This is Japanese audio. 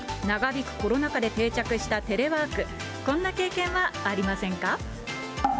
長引くコロナ禍で定着したテレワーク、こんな経験はありませんか？